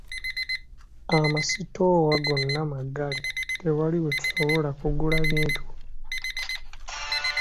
Amasitoowa gonna maggale tewali we tusobola kugula bintu.